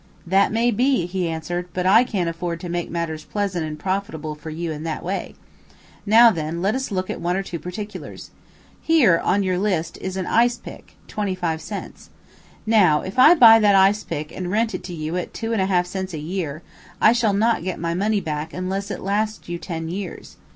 "That may be," he answered, "but I can't afford to make matters pleasant and profitable for you in that way. Now, then, let us look at one or two particulars. Here, on your list, is an ice pick: twenty five cents. Now, if I buy that ice pick and rent it to you at two and a half cents a year, I shall not get my money back unless it lasts you ten years.